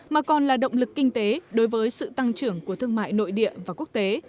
mà còn là động lực kinh tế đối với sự tăng trưởng của thương mại nội địa và quốc tế